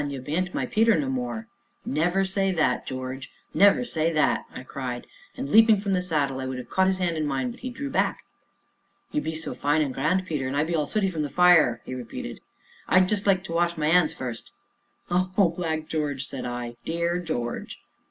ye bean't my Peter no more " "Never say that, George never say that," I cried, and, leaping from the saddle, I would have caught his hand in mine, but he drew back. "You be so fine an' grand, Peter, an' I be all sooty from the fire!" he repeated. "I'd like to just wash my 'ands first." "Oh, Black George!" said I, "dear George."